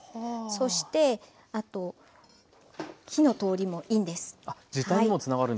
そしてあと火の通りもいいんです。